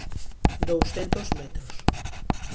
Douscentos metros.